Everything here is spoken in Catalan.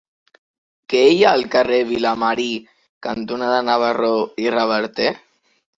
Què hi ha al carrer Vilamarí cantonada Navarro i Reverter?